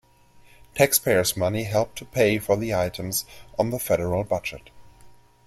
Taxpayers' money help to pay for the items on the federal budget.